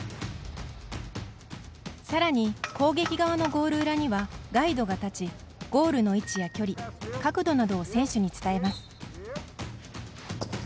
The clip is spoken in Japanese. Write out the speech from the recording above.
さらに攻撃側のゴールの裏にはガイドが立ちゴールの位置や距離、角度などを選手に伝えます。